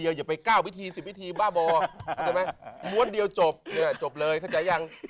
อย่าไป๙พิธี๑๐พิธีบ้าบอเป็นไหมมวดเดียวจบเลยรู้จักไหม